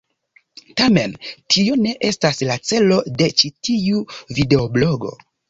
Tamen, tio ne estas la celo de ĉi tiu videoblogo.